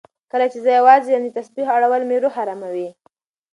کله چې زه یوازې یم، د تسبېح اړول مې روح اراموي.